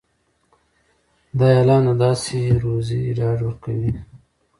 دا اعلان د داسې روزي ډاډ ورکوي.